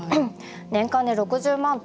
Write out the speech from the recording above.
年間で６０万頭